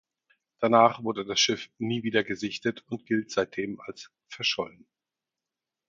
Danach wurde das Schiff nie wieder gesichtet und gilt seitdem als verschollen.